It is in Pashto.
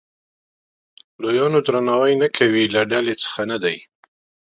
لویانو درناوی نه کوي له ډلې څخه نه دی.